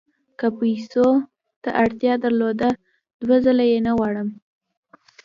که پیسو ته اړتیا درلوده دوه ځله یې نه غواړم.